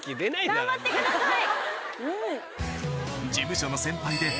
頑張ってください！